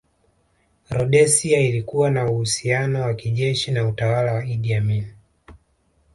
Rhodesia ilikuwa na uhusiano wa kijeshi na utawala wa Idi Amin